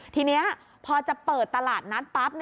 ทีนี้พอจะเปิดตลาดนัดปั๊บ